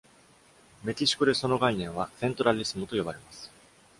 メキシコでその概念は「centralismo」と呼ばれます。